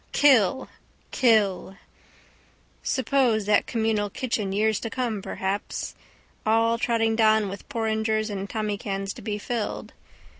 Kill! Kill! Suppose that communal kitchen years to come perhaps. All trotting down with porringers and tommycans to be filled.